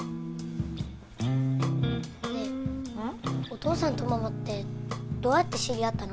お父さんとママってどうやって知り合ったの？